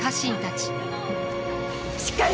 しっかり！